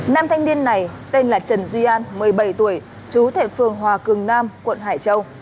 nam thanh niên này tên là trần duy an một mươi bảy tuổi chú thệ phường hòa cường nam quận hải châu